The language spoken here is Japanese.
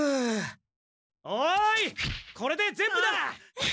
おいこれで全部だ！